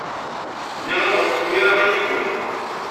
Nniɣ-am ur ḥekku aya i yiwen.